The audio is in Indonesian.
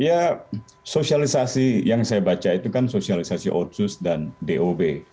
ya sosialisasi yang saya baca itu kan sosialisasi otsus dan dob